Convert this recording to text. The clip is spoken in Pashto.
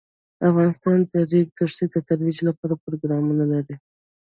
افغانستان د د ریګ دښتې د ترویج لپاره پروګرامونه لري.